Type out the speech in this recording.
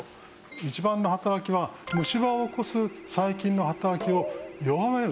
一番の働きは虫歯を起こす細菌の働きを弱めると。